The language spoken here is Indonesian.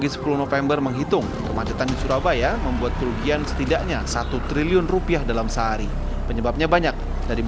seperti busway tram juga menggunakan jalurnya sendiri